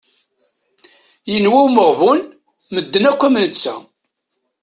Yenwa umeɣbun, medden akk am netta.